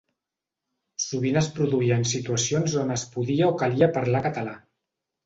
Sovint es produïen situacions on es podia o calia parlar català.